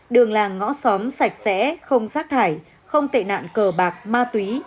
đường làng ngõ xóm sạch sẽ không rác thải không tệ nạn cờ bạc ma túy